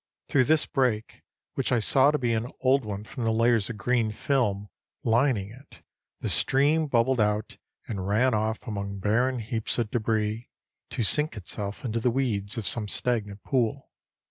Through this break, which I saw to be an old one from the layers of green film lining it, the stream bubbled out and ran off among barren heaps of débris, to sink itself in the weeds of some stagnant pool.